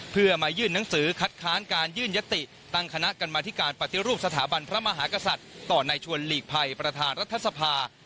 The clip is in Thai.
เพื่อมายื่นหนังสือคัดค้านการยื่นยติตั้งคณะกรรมธิการปฏิรูปสถาบันพระมหากษัตริย์ต่อในชวนหลีกภัยประธานรัฐสภา